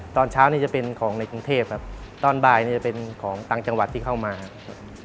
ตอนเช้านี่จะเป็นของในกรุงเทพครับตอนบ่ายนี่จะเป็นของต่างจังหวัดที่เข้ามาครับ